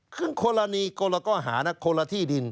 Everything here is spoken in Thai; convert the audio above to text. คือคนละคนละข้อหานะคนละที่ดิน